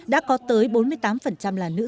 đã có tới bốn mươi tám là nước